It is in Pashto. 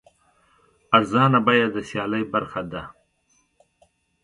ارزانه بیه د سیالۍ برخه ده.